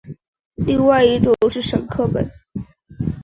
另一种是沈刻本。